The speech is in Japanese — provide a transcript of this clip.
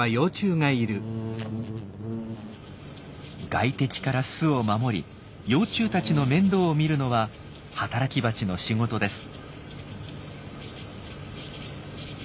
外敵から巣を守り幼虫たちの面倒を見るのは働きバチの仕事です。